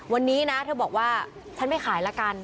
วันนี้นะเธอบอกว่าฉันไม่ขายละกัน